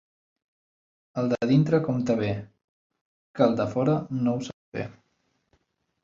El de dintre compta bé, que el de fora no ho sap fer.